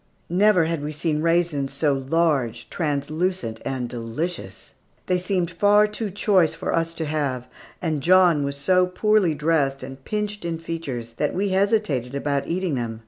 Never had we seen raisins so large, translucent, and delicious. They seemed far too choice for us to have, and John was so poorly dressed and pinched in features that we hesitated about eating them.